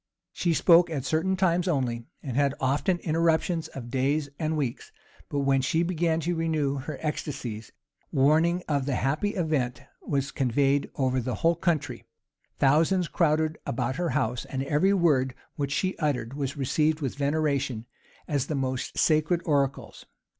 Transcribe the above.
She spoke at certain times only, and had often interruptions of days and weeks: but when she began to renew her ecstasies, warning of the happy event was conveyed over the whole country; thousands crowded about her house; and every word which she uttered was received with veneration, as the most sacred oracles.